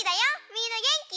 みんなげんき？